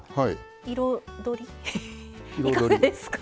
彩りいかがですか？